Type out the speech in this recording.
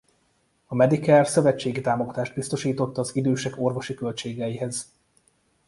A Medicare szövetségi támogatást biztosított az idősek orvosi költségeihez.